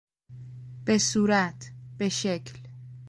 به صورت، به شکل